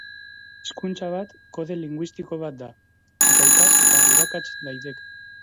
Hizkuntza bat kode linguistiko bat da. Eta ikas eta irakats daiteke.